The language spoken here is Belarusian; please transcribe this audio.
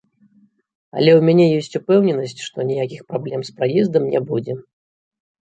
Але ў мяне ёсць упэўненасць, што ніякіх праблем з праездам не будзе.